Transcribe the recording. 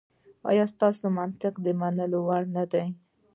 ایا ستاسو منطق د منلو نه دی؟